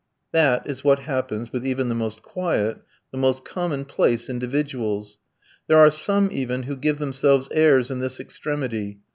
That is what happens with even the most quiet, the most commonplace individuals. There are some even who give themselves airs in this extremity.